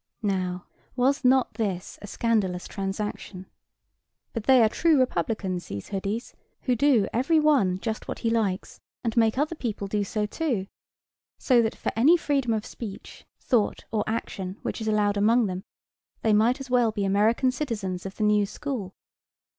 Now, was not this a scandalous transaction? But they are true republicans, these hoodies, who do every one just what he likes, and make other people do so too; so that, for any freedom of speech, thought, or action, which is allowed among them, they might as well be American citizens of the new school.